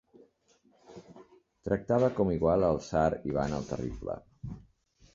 Tractava com igual al tsar Ivan el Terrible.